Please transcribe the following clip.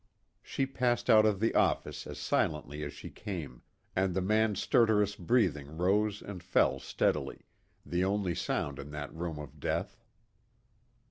She passed out of the office as silently as she came, and the man's stertorous breathing rose and fell steadily, the only sound in that room of death.